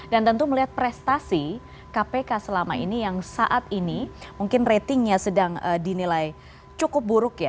dan tentu melihat prestasi kpk selama ini yang saat ini mungkin ratingnya sedang dinilai cukup buruk